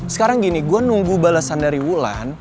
sekarang gini gua nunggu balesan dari wulan